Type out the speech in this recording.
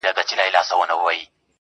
• گراني شاعري ستا خوږې خبري .